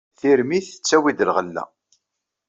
Tirmit tettawi-d lɣella.